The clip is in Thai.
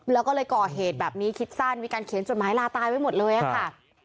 แล้วก็เลยก่อเหตุแบบนี้คิดสั้นมีการเขียนจดหมายลาตายไว้หมดเลยค่ะ